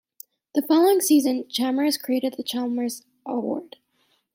The following season, Chalmers created the Chalmers Award.